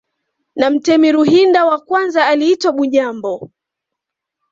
Na mtemi Ruhinda wa kwanza aliitwa Bunyambo